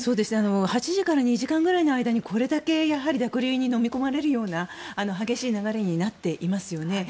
８時から２時間くらいの間にこれだけ濁流にのみ込まれるような激しい流れになっていますよね。